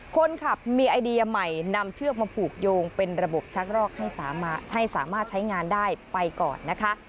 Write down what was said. คนขับมีไอเดียใหม่นำเชือกมาผูกโยงเป็นระบบชักรอกให้สามารถใช้งานได้ไปก่อนนะคะ